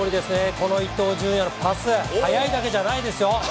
この伊東純也早いだけじゃないですよ。